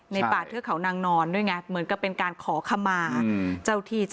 ในปลาเทือเขานางนอนด้วยไง